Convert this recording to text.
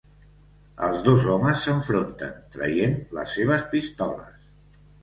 Els dos homes s'enfronten, traient les seves pistoles.